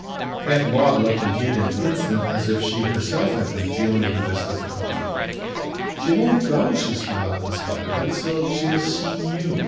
Aunt Maud looked indeed an instant as if she herself had been dealing with this difficulty. "She won't go," she smiled in spite of it, "till she has seen you.